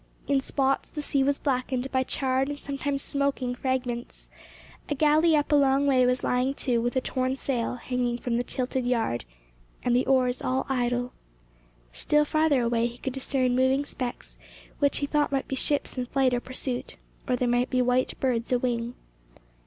In spots the sea was blackened by charred and sometimes smoking fragments. A galley up a long way was lying to with a torn sail hanging from the tilted yard, and the oars all idle. Still farther away he could discern moving specks, which he thought might be ships in flight or pursuit, or they might be white birds a wing.